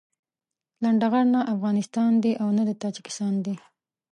لنډغر نه افغانستان دي او نه د تاجيکستان دي.